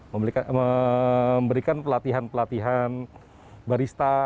memberikan pelatihan pelatihan barista